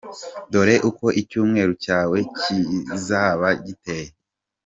Dore uko icyumweru cyawe kizaba giteye:.